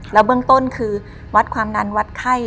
แล้วเบื้องต้นคือวัดความดันวัดไข้